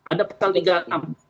ada pasal tiga puluh enam